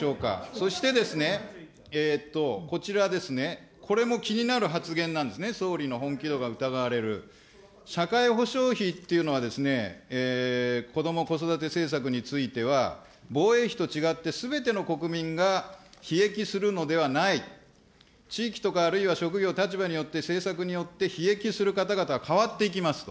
そしてですね、こちらですね、これも気になる発言なんですね、総理の本気度が疑われる、社会保障費っていうのはですね、こども・子育て政策については、防衛費と違ってすべての国民がひ益するのではない、地域とかあるいは職業、立場、政策によってひ益する方々は変わっていきますと。